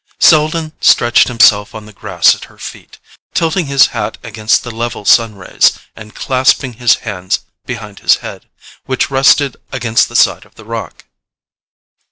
Selden stretched himself on the grass at her feet, tilting his hat against the level sun rays, and clasping his hands behind his head, which rested against the side of the rock.